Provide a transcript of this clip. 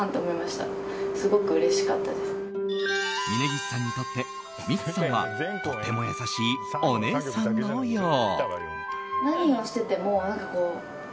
峯岸さんにとってミッツさんはとっても優しいお姉さんのよう。